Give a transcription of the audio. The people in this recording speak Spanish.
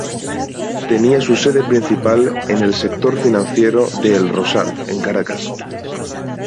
Tenía su sede principal en el sector financiero de El Rosal en Caracas.